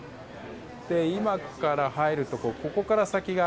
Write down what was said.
今から入るところここから先が。